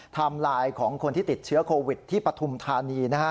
ไลน์ของคนที่ติดเชื้อโควิดที่ปฐุมธานีนะฮะ